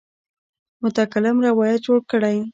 متکلم روایت جوړ کړی.